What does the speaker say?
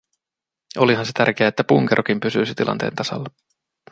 Olihan se tärkeää, että punkerokin pysyisi tilanteen tasalla.